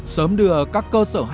sớm đưa các cơ sở hai